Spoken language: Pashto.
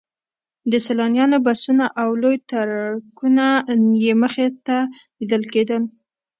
د سیلانیانو بسونه او لوی ټرکونه یې مخې ته لیدل کېدل.